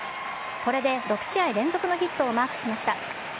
これで６試合連続のヒットをマークしました。